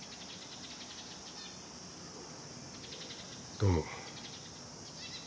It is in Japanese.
どうも。